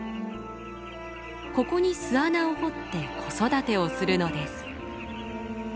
ここに巣穴を掘って子育てをするのです。